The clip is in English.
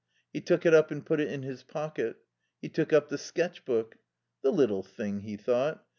He took it up and put it in his pocket. He took up the sketch book. "The little thing," he thought.